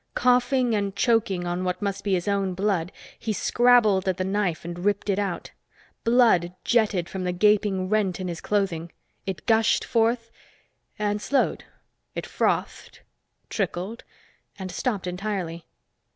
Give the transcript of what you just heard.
Coughing and choking on what must be his own blood, he scrabbled at the knife and ripped it out. Blood jetted from the gaping rent in his clothing. It gushed forth and slowed; it frothed trickled and stopped entirely.